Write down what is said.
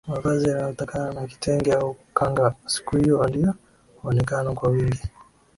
Mavazi yanayotokana na kitenge au khanga siku hiyo ndio huonekana kwa wingi